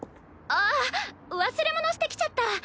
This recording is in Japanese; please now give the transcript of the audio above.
あっ忘れ物してきちゃった。